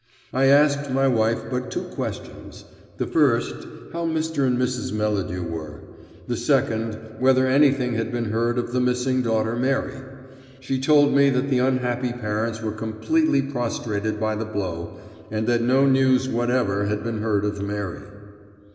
I asked my wife but two questions the first, how Mr. and Mrs. Melladew were, the second, whether anything had been heard of the missing daughter Mary. She told me that the unhappy parents were completely prostrated by the blow, and that no news whatever had been heard of Mary.